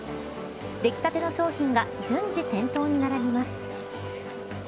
出来たての商品が順次、店頭に並びます。